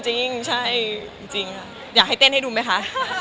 ใช่ยกให้เต้นให้ดูไหมคะ